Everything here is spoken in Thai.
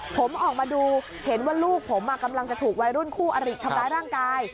ผมออกมาดูเห็นว่าลูกผมกำลังจะถูกวัยรุ่นคู่อริทำร้ายร่างกาย